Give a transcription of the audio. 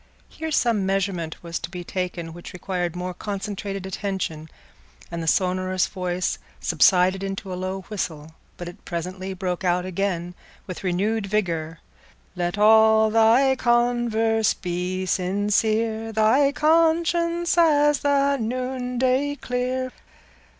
Here some measurement was to be taken which required more concentrated attention, and the sonorous voice subsided into a low whistle; but it presently broke out again with renewed vigour— Let all thy converse be sincere, Thy conscience as the noonday clear.